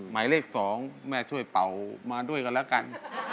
หมายเลข๒แม่ช่วยเป่ามาด้วยกันแล้วกัน